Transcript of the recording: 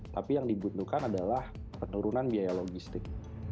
tapi yang dibutuhkan adalah penurunan biaya logistik